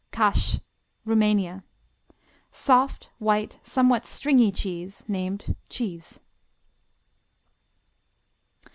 Kash Rumania Soft, white, somewhat stringy cheese named cheese.